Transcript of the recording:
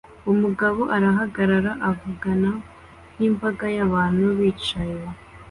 Umugabo arahagarara avugana n'imbaga y'abantu bicaye